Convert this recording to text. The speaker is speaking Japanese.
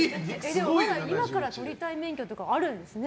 今から取りたい免許とかあるんですね